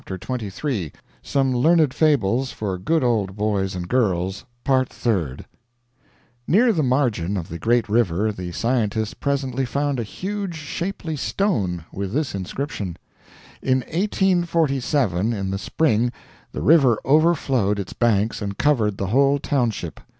END OF PART SECOND SOME LEARNED FABLES FOR GOOD OLD BOYS AND GIRLS PART THIRD Near the margin of the great river the scientists presently found a huge, shapely stone, with this inscription: "In 1847, in the spring, the river overflowed its banks and covered the whole township.